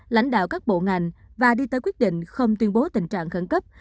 lãnh đạo các bộ ngành và đi tới quyết định không tuyên bố tình trạng khẩn cấp